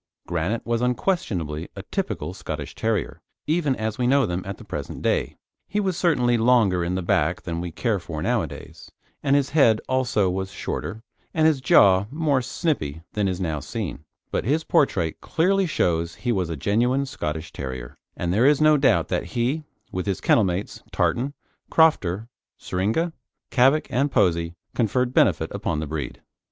Granite was unquestionably a typical Scottish Terrier, even as we know them at the present day. He was certainly longer in the back than we care for nowadays, and his head also was shorter, and his jaw more snipy than is now seen, but his portrait clearly shows he was a genuine Scottish Terrier, and there is no doubt that he, with his kennel mates, Tartan, Crofter, Syringa, Cavack, and Posey, conferred benefit upon the breed.